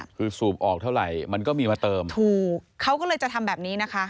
คือสูบออกเท่าไหร่มันก็มีมาเติมถูกเขาก็เลยจะทำแบบนี้นะคะ